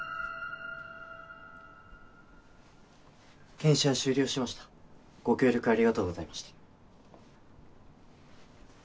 検視は終了しましたご協力ありがとうございました。